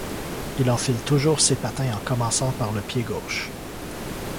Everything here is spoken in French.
Il enfile toujours ses patins en commençant par le pied gauche.